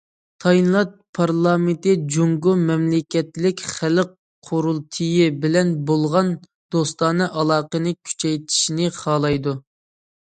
تايلاند پارلامېنتى جۇڭگو مەملىكەتلىك خەلق قۇرۇلتىيى بىلەن بولغان دوستانە ئالاقىنى كۈچەيتىشنى خالايدۇ.